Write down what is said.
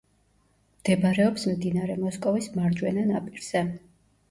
მდებარეობს მდინარე მოსკოვის მარჯვენა ნაპირზე.